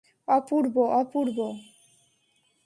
অপূর্ব, অপূর্ব।